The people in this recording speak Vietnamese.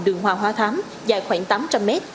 đường hòa hòa thám dài khoảng tám trăm linh mét